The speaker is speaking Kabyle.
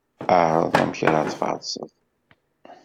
Ԑreḍ amek ara tfarseḍ.